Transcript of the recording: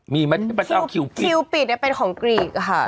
มีไหมพระเจ้าคิ้วกันคิ้วปิดคิ้วปิดนี้เป็นของกรีกค่ะ